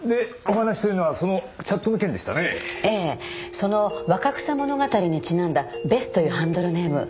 その『若草物語』にちなんだベスというハンドルネーム。